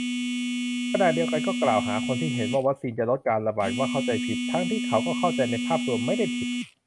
ขณะเดียวกันก็กล่าวหาคนที่เห็นว่าวัคซีนจะลดการระบาด ว่าเข้าใจผิด ทั้งที่เขาก็เข้าใจในภาพรวมไม่ได้ผิด